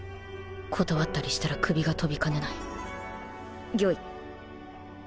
断ったりしたら首が飛びかねない御意。